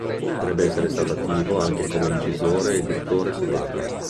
Potrebbe essere stato attivo anche come incisore e pittore su vetro.